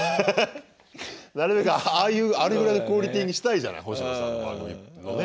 なるべくああいうあれぐらいのクオリティーにしたいじゃない星野さんの番組のね。